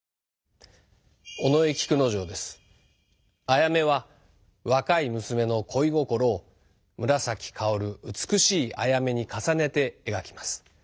「あやめ」は若い娘の恋心を紫かおる美しいアヤメに重ねて描きます。